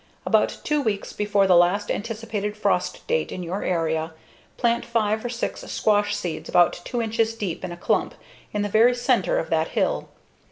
About two weeks before the last anticipated frost date in your area, plant five or six squash seeds about 2 inches deep in a clump in the very center of that hill.